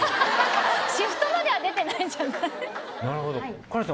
シフトまでは出てないんじゃない？